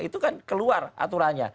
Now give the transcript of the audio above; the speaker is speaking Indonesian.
itu kan keluar aturannya